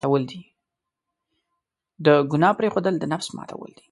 د ګناه پرېښودل، د نفس ماتول دي.